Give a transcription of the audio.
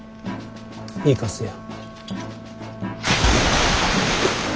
行かせよ。